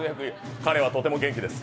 彼はとても元気です。